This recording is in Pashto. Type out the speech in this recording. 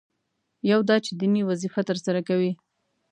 یو دا چې دیني وظیفه ترسره کوي.